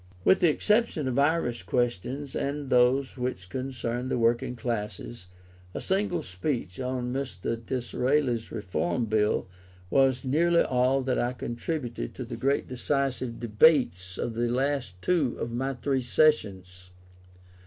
With the exception of Irish questions, and those which concerned the working classes, a single speech on Mr. Disraeli's Reform Bill was nearly all that I contributed to the great decisive debates of the last two of my three sessions.